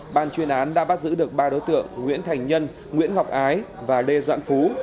ban chuyên án đã bắt giữ được ba đối tượng nguyễn thành nhân nguyễn ngọc ái và lê doãn phú